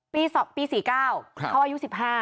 ปี๔๙เขาอายุ๑๕